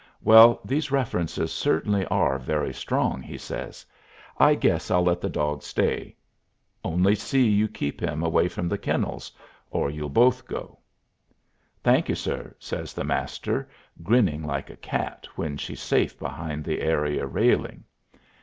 "Well, these references certainly are very strong," he says. "I guess I'll let the dog stay. Only see you keep him away from the kennels or you'll both go." "Thank you, sir," says the Master, grinning like a cat when she's safe behind the area railing.